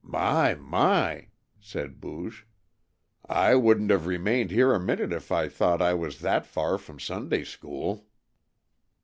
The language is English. "My, my!" said Booge. "I wouldn't have remained here a minute if I had thought I was that far from Sunday school."